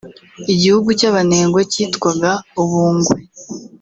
Igihugu cy’Abenengwe cyitwga Ubungwe